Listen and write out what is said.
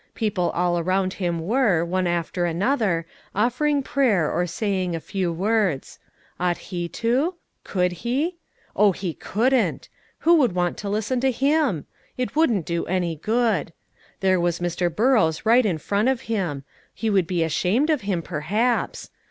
People all around him were, one after another, offering prayer or saying a few words. Ought he to? Could he? Oh, he couldn't! Who would want to listen to him? It wouldn't do any good. There was Mr. Burrows right in front of him; he would be ashamed of him, perhaps.